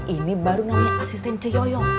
ini baru namanya asisten ceyong